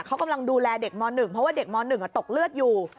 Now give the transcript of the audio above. เขากำลังดูแลเด็กม๑เพราะว่าเด็กม๑ตกเลือดอยู่